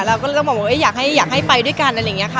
เราก็ต้องบอกว่าอยากให้ไปด้วยกันอะไรอย่างนี้ค่ะ